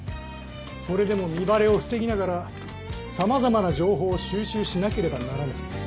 それでも身バレを防ぎながら様々な情報を収集しなければならない。